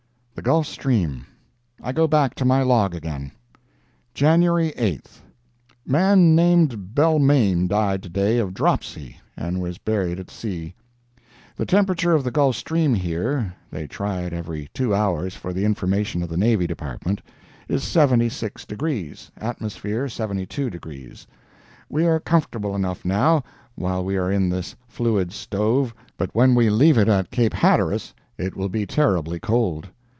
THE GULF STREAM I go back to my log again: "JANUARY 8th—Man named Belmayne died to day of dropsy, and was buried at sea. "The temperature of the Gulf Stream here (they try it every two hours for the information of the Navy Department) is 76 degrees, atmosphere 72 degrees. We are comfortable enough now, while we are in this fluid stove, but when we leave it at Cape Hatteras it will be terribly cold.